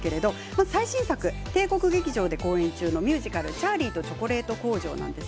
まず最新作、帝国劇場で公演中のミュージカル「チャーリーとチョコレート工場」です。